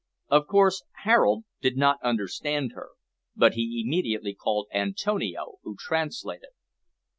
Of course Harold did not understand her, but he immediately called Antonio, who translated.